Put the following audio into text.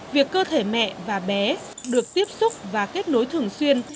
việc cơ thể mẹ và bé được tiếp xúc và kết nối thường xuyên